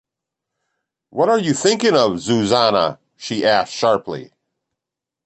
“What are you thinking of, Zuzanna?” she asked sharply.